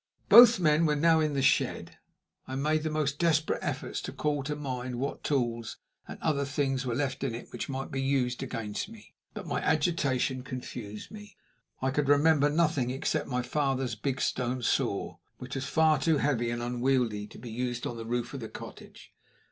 Both men were now in the shed. I made the most desperate efforts to call to mind what tools and other things were left in it which might be used against me. But my agitation confused me. I could remember nothing except my father's big stone saw, which was far too heavy and unwieldy to be used on the roof of the cottage.